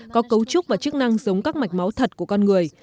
có cấu trúc và chức năng giống các mạch máu thật của con người